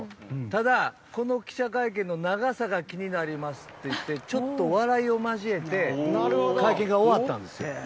ただ、この記者会見の長さが気になりますと言ってちょっと笑いを交えて会見が終わったんです。